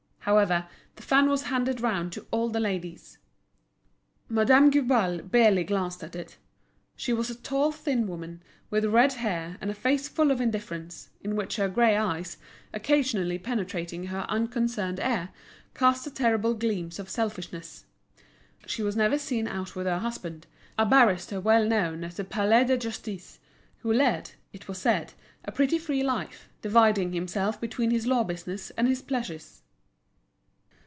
However, the fan was handed round to all the ladies. Madame Guibal barely glanced at it. She was a tall, thin woman, with red hair, and a face full of indifference, in which her grey eyes, occasionally penetrating her unconcerned air, cast the terrible gleams of selfishness. She was never seen out with her husband, a barrister well known at the Palais de Justice, who led, it was said, a pretty free life, dividing himself between his law business and his pleasures.